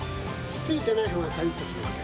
ついてないほうがかりっとするんだよ。